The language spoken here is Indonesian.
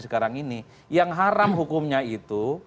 sekarang ini yang haram hukumnya itu